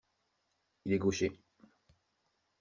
Il est gaucher.